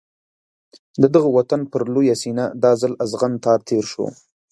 د دغه وطن پر لویه سینه دا ځل اغزن تار تېر شو.